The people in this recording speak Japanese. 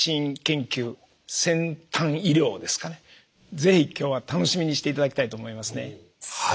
ぜひ今日は楽しみにして頂きたいと思いますね。